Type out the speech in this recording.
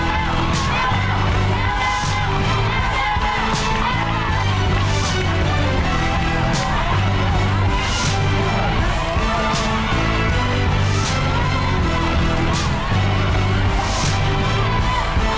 กล่อข้าวหลามใส่กระบอกภายในเวลา๓นาที